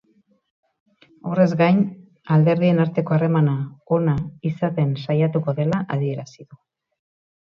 Horrez gain, alderdien arteko harremana ona izaten saiatuko dela adierazi du.